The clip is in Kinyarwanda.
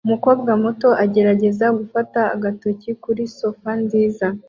Umukobwa muto agerageza gufata agatotsi kuri sofa nziza